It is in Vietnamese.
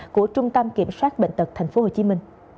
của trung tâm kiểm soát bệnh tật tp hcm